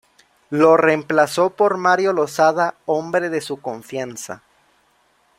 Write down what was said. Lo reemplazó por Mario Losada, hombre de su confianza.